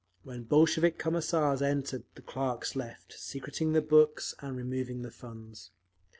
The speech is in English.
When Bolshevik Commissars entered, the clerks left, secreting the books and removing the funds.